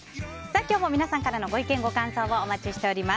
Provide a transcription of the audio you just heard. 今日も皆様からのご意見ご感想をお待ちしています。